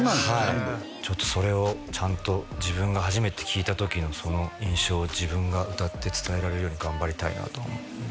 全部ちょっとそれをちゃんと自分が初めて聴いた時の印象を自分が歌って伝えられるように頑張りたいなとは思ってます